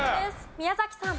宮崎さん。